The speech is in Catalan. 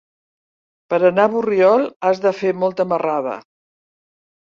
Per anar a Borriol has de fer molta marrada.